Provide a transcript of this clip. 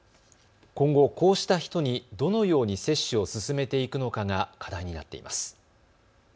今後、こうした人にどのように接種を進めていくのかが課題になっています。